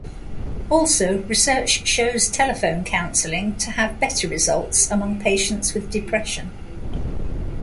Also research shows telephone counseling to have better results among patients with depression.